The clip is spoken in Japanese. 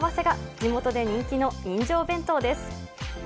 地元で人気の人情弁当です。